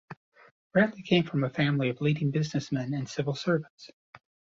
Bratlie came from a family of leading businessmen and civil servant.